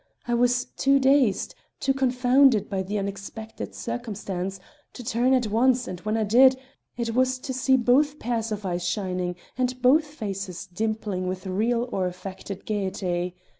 I was too dazed, too confounded by the unexpected circumstance, to turn at once, and when I did, it was to see both pairs of eyes shining, and both faces dimpling with real or affected gaiety.